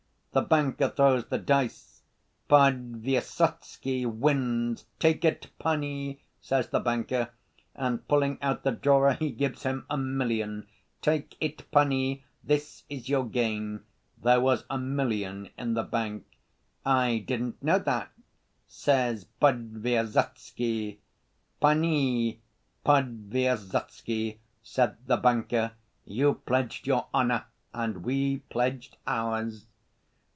The banker throws the dice. Podvysotsky wins. 'Take it, panie,' says the banker, and pulling out the drawer he gives him a million. 'Take it, panie, this is your gain.' There was a million in the bank. 'I didn't know that,' says Podvysotsky. 'Panie Podvysotsky,' said the banker, 'you pledged your honor and we pledged ours.